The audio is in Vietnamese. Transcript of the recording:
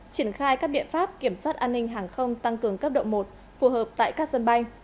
triển khai các biện pháp kiểm soát an ninh hàng không tăng cường cấp độ một phù hợp tại các sân bay